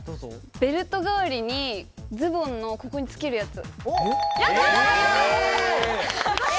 ベルト代わりに、ズボンのここにつけるやつ。